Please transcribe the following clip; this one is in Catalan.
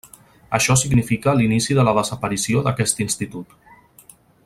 Això significa l'inici de la desaparició d'aquest institut.